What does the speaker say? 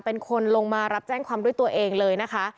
เป็นคนลงมารับแจ้งความด้วยตัวเองเลยนะคะ